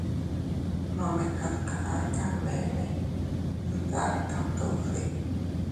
Nome kad kaʼa kanbene nda tam duddi.